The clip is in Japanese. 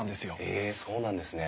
へえそうなんですね。